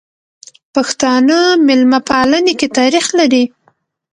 پښتانه ميلمه پالنې کی تاریخ لري.